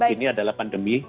ini adalah pandemi